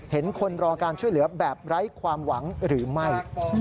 เห็นคนรอการช่วยเหลือแบบไร้ความหวังหรือไม่